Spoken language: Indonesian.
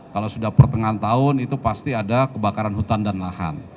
kalau sudah pertengahan tahun itu pasti ada kebakaran hutan dan lahan